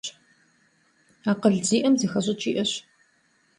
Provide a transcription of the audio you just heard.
Акъыл зиӀэм, зэхэщӀыкӀ иӀэщ.